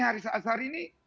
hari saat sehari ini